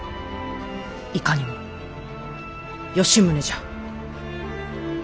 いかにも吉宗じゃ。